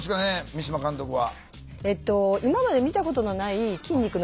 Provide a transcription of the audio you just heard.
三島監督は。